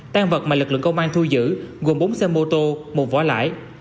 tan vật mà lực lượng công an thu giữ gồm bốn xe mô tô một vỏ lãi